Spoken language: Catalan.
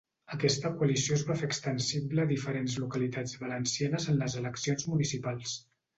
Aquesta coalició es va fer extensible a diferents localitats valencianes en les eleccions municipals.